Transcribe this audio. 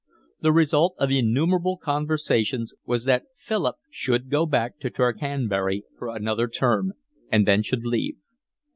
The result of innumerable conversations was that Philip should go back to Tercanbury for another term, and then should leave.